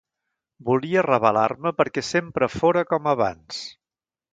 Volia rebel·lar-me perquè sempre fóra com abans.